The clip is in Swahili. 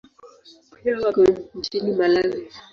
Pia wako nchini Malawi.